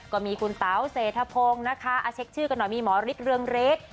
ก็มีคุณเต๋าเศรษฐพงศ์นะคะเช็คชื่อกันหน่อยมีหมอฤทธิเรืองฤทธิ์